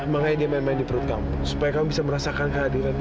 makanya dia main main di perut kamu supaya kamu bisa merasakan kehadiran